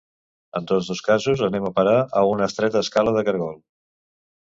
En tots dos casos anem a parar a una estreta escala de caragol.